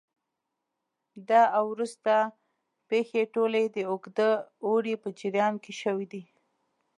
دا او وروسته پېښې ټولې د اوږده اوړي په جریان کې شوې دي